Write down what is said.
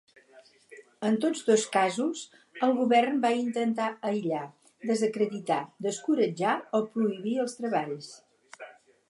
En tots dos casos, el govern va intentar aïllar, desacreditar, descoratjar o prohibir els treballs.